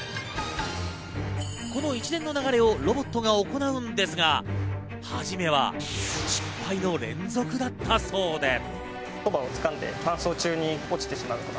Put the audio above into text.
この一連の流れをロボットが行うんですが、初めは失敗の連続だったそうです。